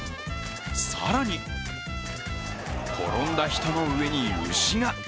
更に転んだ人の上に牛が。